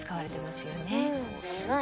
すごい！